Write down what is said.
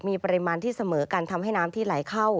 มีปริมาณที่เสมอกันทำให้น้ำที่ไหลเข้า